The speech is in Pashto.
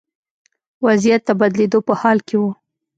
وضعیت د بدلېدو په حال کې و.